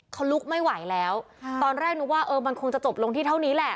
เขาลุกไม่ไหวแล้วตอนแรกนึกว่าเออมันคงจะจบลงที่เท่านี้แหละ